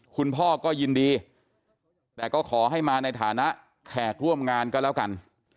คุณพ่อก็ยินดีแต่ก็ขอให้มาในฐานะแขกร่วมงานก็แล้วกัน